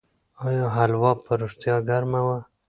آیا هلوا په رښتیا ګرمه وه؟